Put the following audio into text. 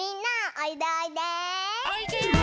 おいで！